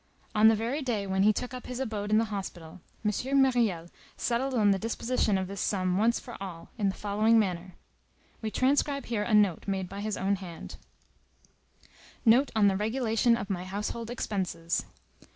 On the very day when he took up his abode in the hospital, M. Myriel settled on the disposition of this sum once for all, in the following manner. We transcribe here a note made by his own hand:— NOTE ON THE REGULATION OF MY HOUSEHOLD EXPENSES.